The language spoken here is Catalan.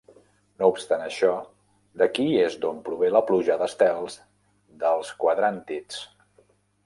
No obstant això, d'aquí és d'on prové la pluja d'estels dels quadràntids.